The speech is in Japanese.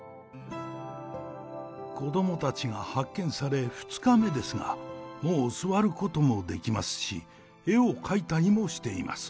子どもたちが発見され２日目ですが、もう座ることもできますし、絵を描いたりもしています。